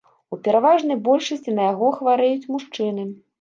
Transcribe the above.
У пераважнай большасці на яго хварэюць мужчыны.